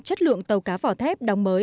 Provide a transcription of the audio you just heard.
chất lượng tàu cá vỏ thép đóng mới